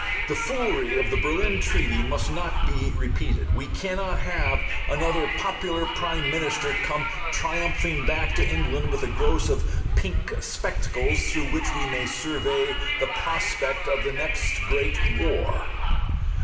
The foolery of the Berlin Treaty must not be repeated. We cannot have another popular Prime Minister come triumphing back to England with a gross of pink spectacles through which we may survey the prospect of the next great war.